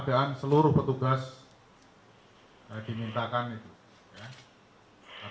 dia meninjau ke sana dan memberikan arahan